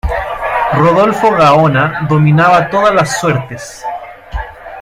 Rodolfo Gaona dominaba todas las suertes.